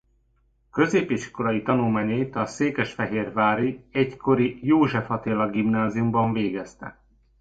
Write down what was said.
Középiskolai tanulmányait a Székesfehérvári egykori József Attila Gimnáziumban végezte.